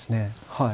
はい。